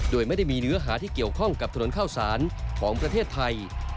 โดยไม่ได้มีเนื้อหาที่เกี่ยวข้องกับถนนข้าวสารของประเทศไทย